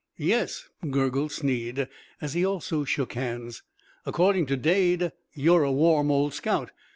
"Yes," gurgled Snead, as he also shook hands; "according to Dade, you're a warm old scout.